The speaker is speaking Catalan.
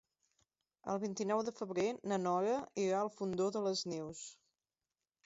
El vint-i-nou de febrer na Nora irà al Fondó de les Neus.